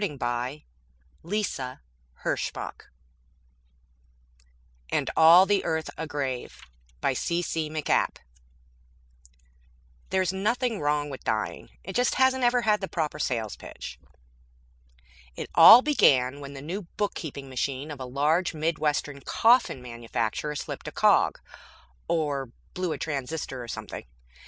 |||++AND ALL THE EARTH A GRAVE BY C.C. MacAPP ILLUSTRATED BY GAUGHAN There's nothing wrong with dying it just hasn't ever had the proper sales pitch! It all began when the new bookkeeping machine of a large Midwestern coffin manufacturer slipped a cog, or blew a transistor, or something.